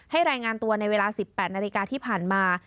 รายงานตัวในเวลา๑๘นาฬิกาที่ผ่านมา